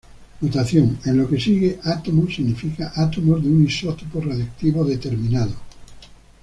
Notación: En lo que sigue, "átomos" significa "átomos de un isótopo radiactivo determinado".